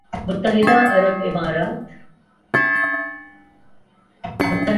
متحدہ عرب امارات